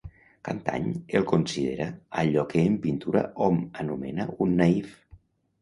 Catany el considera allò que en pintura hom anomena un naïf.